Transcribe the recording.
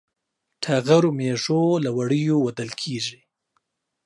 ټغر و مېږو له وړیو وُودل کېږي.